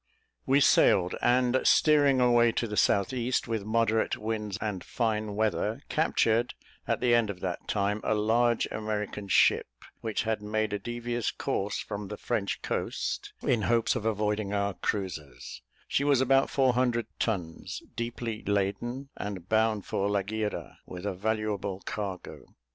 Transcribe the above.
We sailed; and, steering away to the south east with moderate winds and fine weather, captured, at the end of that time, a large American ship, which had made a devious course from the French coast, in hopes of avoiding our cruisers; she was about four hundred tons, deeply laden, and bound to Laguira, with a valuable cargo.